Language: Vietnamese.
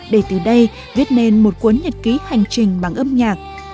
để từ đây viết nên một cuốn nhật ký hành trình bằng âm nhạc